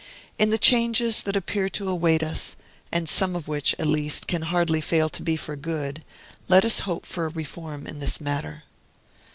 In the changes that appear to await us, and some of which, at least, can hardly fail to be for good, let us hope for a reform in this matter.